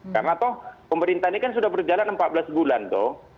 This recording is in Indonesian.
karena toh pemerintah ini kan sudah berjalan empat belas bulan toh